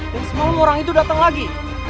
dan semalem orang itu dateng lagi